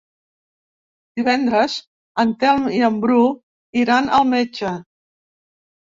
Divendres en Telm i en Bru iran al metge.